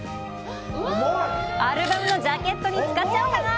アルバムのジャケットに使っちゃおうかな！